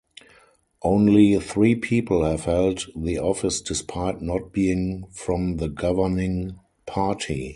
Only three people have held the office despite not being from the governing party.